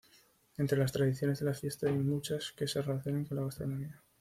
Entre las tradiciones de la fiesta hay muchas que se relacionan con la gastronomía.